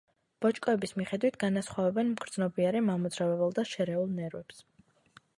ბოჭკოების მიხედვით განასხვავებენ მგრძნობიარე, მამოძრავებელ და შერეულ ნერვებს.